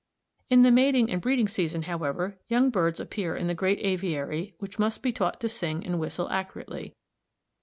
In the mating and breeding season, however, young birds appear in the great aviary which must be taught to sing and whistle accurately.